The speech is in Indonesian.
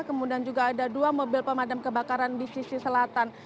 kemudian juga ada dua mobil pemadam kebakaran di sisi selatan